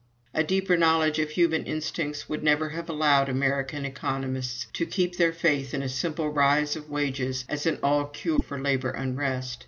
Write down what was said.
"A deeper knowledge of human instincts would never have allowed American economists to keep their faith in a simple rise of wages as an all cure for labor unrest.